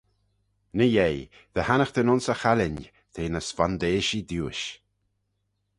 Ny-yeih, dy hannaghtyn ayns y challin, te ny s'vondeishee diuish.